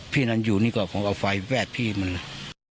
พี่นั้นอยู่นี่ก็คงเอาไฟแวดพี่มันเลย